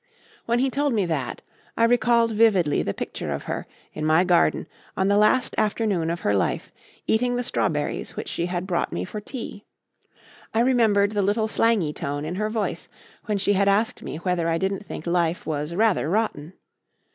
When he told me that, I recalled vividly the picture of her, in my garden, on the last afternoon of her life, eating the strawberries which she had brought me for tea. I remembered the little slangy tone in her voice when she had asked me whether I didn't think life was rather rotten.